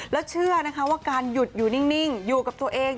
แล้วเชื่อนะคะว่าการหยุดอยู่นิ่งอยู่กับตัวเอง